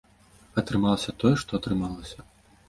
Атрымалася тое, што атрымалася.